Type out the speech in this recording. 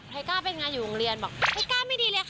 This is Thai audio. ปังเป็นไงบ้างภาคนี้